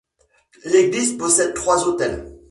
L'église possède trois autels.